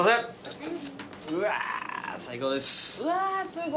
はい。